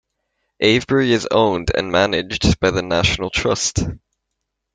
Avebury is owned and managed by the National Trust.